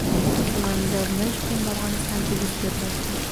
سمندر نه شتون د افغانستان طبعي ثروت دی.